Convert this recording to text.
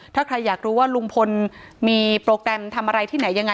ถ้าใครอยากรู้ว่าลุงพลมีโปรแกรมทำอะไรที่ไหนยังไง